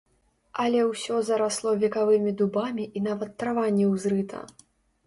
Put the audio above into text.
Але ўсё зарасло векавымі дубамі і нават трава не ўзрыта.